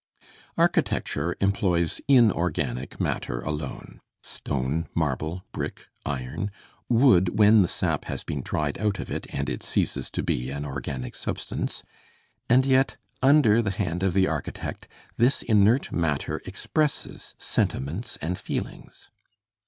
Architecture employs inorganic matter alone stone, marble, brick, iron, wood, when the sap has been dried out of it and it ceases to be an organic substance; and yet, under the hand of the architect, this inert matter expresses sentiments and feelings.